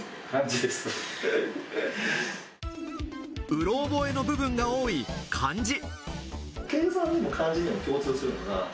うろ覚えの部分が多い漢字。